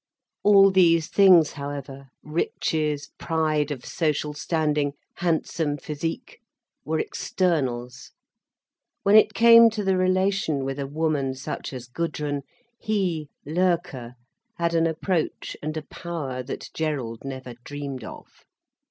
All these things, however, riches, pride of social standing, handsome physique, were externals. When it came to the relation with a woman such as Gudrun, he, Loerke, had an approach and a power that Gerald never dreamed of.